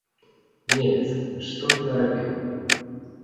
Немец, што ты нарабіў!